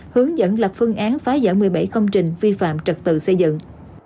hướng dẫn lập phương án phái giở một mươi bảy công trình vi phạm trật tự xây dựng